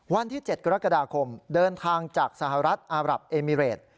วันที่๗กรกฎาคมเดินทางจากสหรัฐอารับเอมิเรต